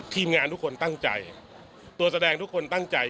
ทีมงานทุกคนตั้งใจตัวแสดงทุกคนตั้งใจ